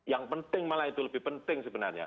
yang penting malah itu lebih penting sebenarnya